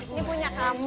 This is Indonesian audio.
ini punya kamu